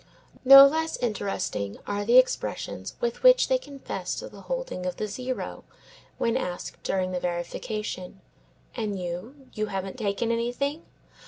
No less interesting are the expressions with which they confess to the holding of the zero, when asked during the verification, "and you, you haven't taken anything?"